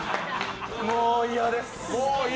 もう嫌です。